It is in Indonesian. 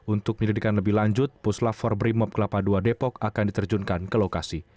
untuk penyelidikan lebih lanjut pusla forbrimob kelapa ii depok akan diterjunkan ke lokasi